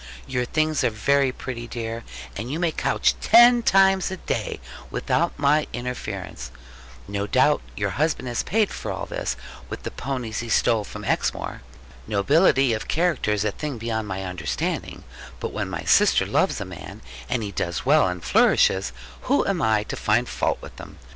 Your things are very pretty, dear; and you may couch ten times a day, without my interference. No doubt your husband has paid for all this, with the ponies he stole from Exmoor. Nobility of character is a thing beyond my understanding; but when my sister loves a man, and he does well and flourishes, who am I to find fault with him?